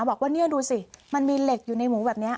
บอกว่านี่ดูสิมันมีเหล็กอยู่ในหมูแบบนี้